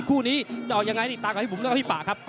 คู่นี้จะออกยังไงติดตามกับพี่บุ๋มแล้วก็พี่ป่าครับ